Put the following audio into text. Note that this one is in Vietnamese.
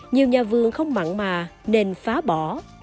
nhiều nhà vườn không mặn mà nên phá bỏ